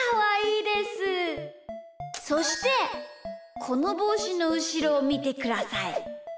そしてこのぼうしのうしろをみてください。